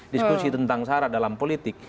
diskusi tentang sara dalam politik